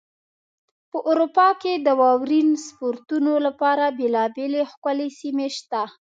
په اروپا کې د واورین سپورتونو لپاره بېلابېلې ښکلې سیمې شته.